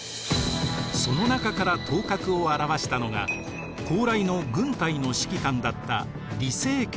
その中から頭角を現したのが高麗の軍隊の指揮官だった李成桂でした。